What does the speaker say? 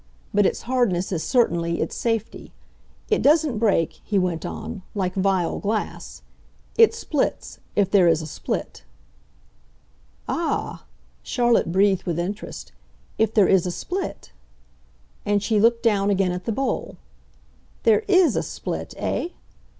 But its hardness is certainly, its safety. It doesn't break," he went on, "like vile glass. It splits if there is a split." "Ah!" Charlotte breathed with interest. "If there is a split." And she looked down again at the bowl. "There IS a split, eh?